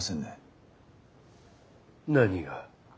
何が？